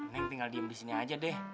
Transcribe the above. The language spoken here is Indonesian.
neng tinggal diem disini aja deh